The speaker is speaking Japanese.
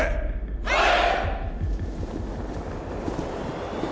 はい！